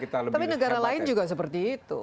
tapi negara lain juga seperti itu